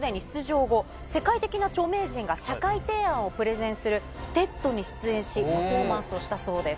世界的な著名人が社会提案をプレゼンするＴＥＤに出演しパフォーマンスをしたそうです。